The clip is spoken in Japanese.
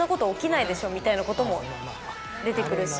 みたいなことも出てくるし。